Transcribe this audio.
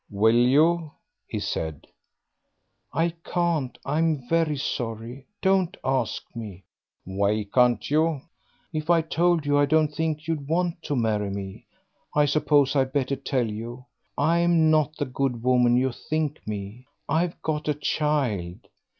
"Will you?" he said. "I can't; I'm very sorry; don't ask me." "Why can't you?" "If I told you I don't think you'd want to marry me. I suppose I'd better tell you. I'm not the good woman you think me. I've got a child.